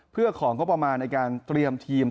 เพื่อของงบประมาณในการเตรียมทีม